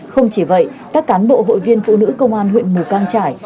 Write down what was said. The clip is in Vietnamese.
không chỉ vậy các cán bộ hội viên phụ nữ công an huyện mù căng trải